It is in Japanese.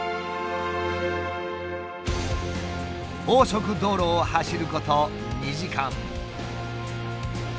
高速道路を走ること２時間。